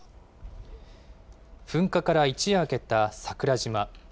噴火から一夜明けた桜島。